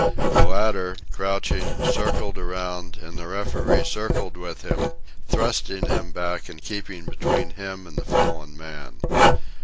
The latter, crouching, circled around, and the referee circled with him, thrusting him back and keeping between him and the fallen man.